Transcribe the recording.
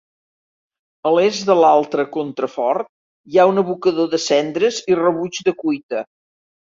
A l'est de l'altre contrafort hi ha un abocador de cendres i rebuig de cuita.